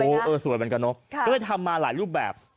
เออสวยเหมือนกันเนอะก็เลยทำมาหลายรูปแบบ